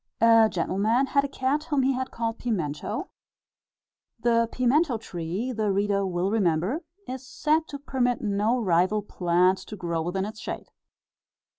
A gentleman had a cat whom he called "Pimento" the pimento tree, the reader will remember, is said to permit no rival plant to grow within its shade.